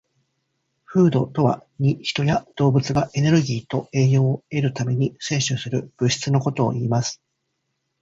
"Food" とは、人や動物がエネルギーと栄養を得るために摂取する物質のことを指します。